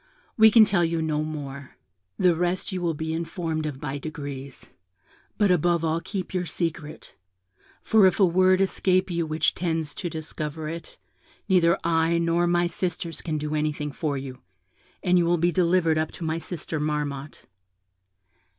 We can tell you no more; the rest you will be informed of by degrees; but above all keep your secret; for if a word escape you which tends to discover it, neither I nor my sisters can do anything for you, and you will be delivered up to my sister Marmotte.'